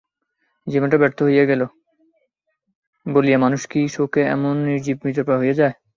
জীবনটা ব্যর্থ হইয়া গেল বলিয়া মানুষ কি শোকে এমন নিজীব মৃতপ্রায় হইয়া যায়?